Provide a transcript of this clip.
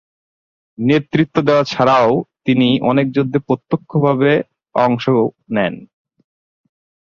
নেতৃত্ব দেওয়া ছাড়াও তিনি অনেক যুদ্ধে প্রত্যক্ষভাবে অংশও নেন।